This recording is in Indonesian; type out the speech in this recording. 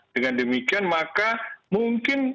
dengan demikian maka mungkin